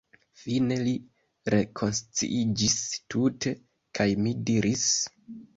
Fine li rekonsciiĝis tute, kaj mi diris: